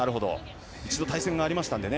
１度対戦がありましたのでね。